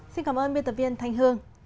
xin cảm ơn biên tập viên thanh hương